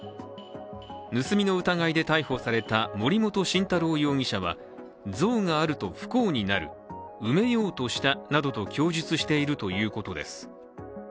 盗みの疑いで逮捕された森本晋太郎容疑者は像があると不幸になる、埋めようとしたなどと供述しているということです。